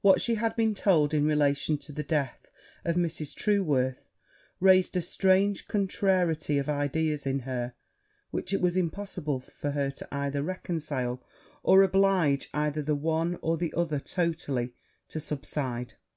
What she had been told in relation to the death of Mrs. Trueworth, raised a strange contrariety of ideas in her, which it was impossible for her either to reconcile, or oblige either the one or the other totally to subside.